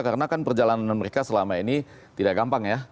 karena kan perjalanan mereka selama ini tidak gampang ya